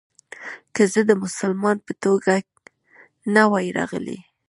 که زه د مسلمان په توګه نه وای راغلی.